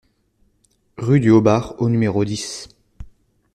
Rue du Haut-Barr au numéro dix